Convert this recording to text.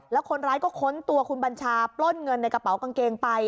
แล้วคนร้ายก็ค้นตัวคุณบัญชาปล้นเงินในกระเป๋ากางเกงไป